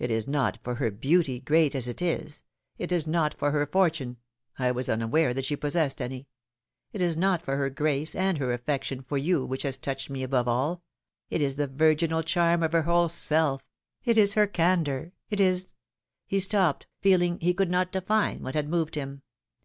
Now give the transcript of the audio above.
It is not for her beauty, great as it is ; it is not for her fortune — I was unaware that she possessed any ; it is not for her grace and her affection for you, which has touched me above all : it is the virginal charm of her whole self; it is her candor ; it is — He stopped, feeling he could not define what had moved him.